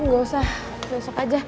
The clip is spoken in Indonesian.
gak usah besok aja